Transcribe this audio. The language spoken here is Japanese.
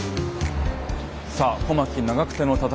さあ小牧・長久手の戦い。